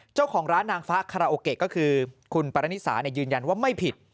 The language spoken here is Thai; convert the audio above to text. เจ้าของร้านนางฟ้าคาราโอเกะก็คือคุณปรณิสายืนยันว่าไม่ผิด